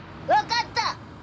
分かった！